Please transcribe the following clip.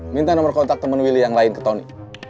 minta nomor kontak teman willy yang lain ke tony